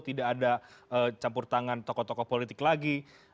tidak ada campur tangan tokoh tokoh politik lagi